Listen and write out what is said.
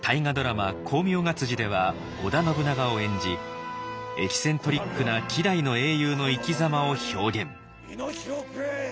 「功名が」では織田信長を演じエキセントリックな希代の英雄の生きざまを表現。